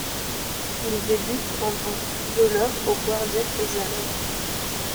Il débute en tant que footballeur au Gwardia Koszalin.